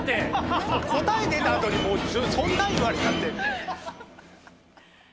答え出た後にそんなん言われたって。